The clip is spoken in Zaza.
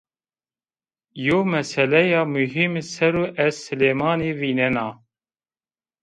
Yew meseleya muhîme ser o ez Silêmanî vînena